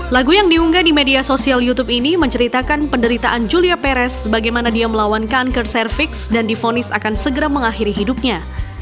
lagu yang diunggah di media sosial youtube ini menceritakan penderitaan julia perez bagaimana dia melawan kanker cervix dan difonis akan segera mengakhiri hidupnya